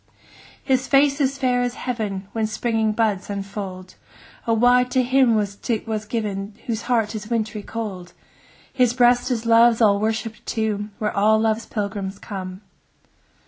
His face is fair as heaven When springing buds unfold: O why to him was 't given, Whose heart is wintry cold? 10 His breast is Love's all worshipp'd tomb, Where all Love's pilgrims come.